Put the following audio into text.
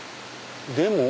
でも。